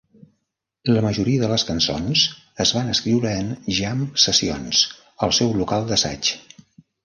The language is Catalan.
La majoria de les cançons es van escriure en jam sessions al seu local d'assaig.